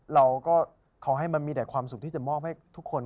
เราก็ขอให้มันมีแต่ความสุขที่จะมอบให้ทุกคน